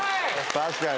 確かに。